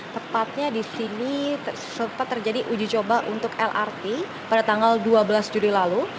tepatnya di sini sempat terjadi uji coba untuk lrt pada tanggal dua belas juli lalu